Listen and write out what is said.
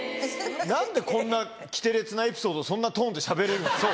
なんでこんなきてれつなエピソード、そんなトーンでしゃべれるんですか。